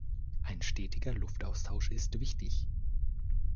Ein stetiger Luftaustausch ist wichtig.